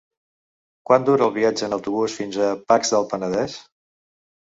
Quant dura el viatge en autobús fins a Pacs del Penedès?